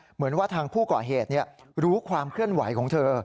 เหมือนว่าทางผู้ก่อเหตุรู้ความเคลื่อนไหวของเธอ